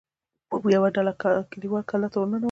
يوه ډله کليوال کلا ته ور ننوتل.